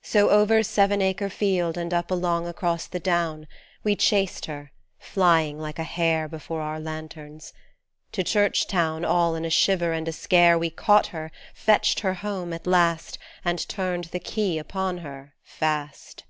So over seven acre field and up along across the down We chased her, flying like a hare Before our lanterns. To Church Town All in a shiver and a scare We caught her, fetched her home at last And turned the key upon her, fast.